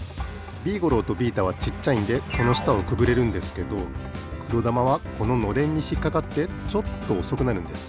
ビーゴローとビータはちっちゃいんでこのしたをくぐれるんですけどくろだまはこののれんにひっかかってちょっとおそくなるんです。